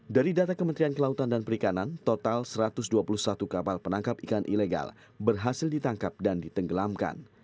dari data kementerian kelautan dan perikanan total satu ratus dua puluh satu kapal penangkap ikan ilegal berhasil ditangkap dan ditenggelamkan